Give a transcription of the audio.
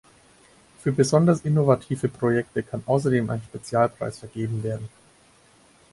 Für besonders innovative Projekte kann außerdem ein Spezialpreis vergeben werden.